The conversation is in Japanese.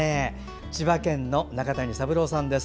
千葉県の中谷三郎さんです。